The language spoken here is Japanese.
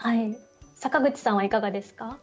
坂口さんはいかがですか？